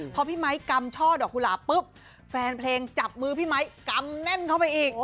พอพี่ไมค์กำช่อดอกกุหลาบปุ๊บแฟนเพลงจับมือพี่ไมค์กำแน่นเข้าไปอีก